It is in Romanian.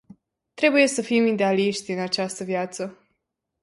Trebuie să fim idealiști în această viață.